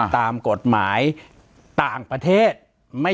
ปากกับภาคภูมิ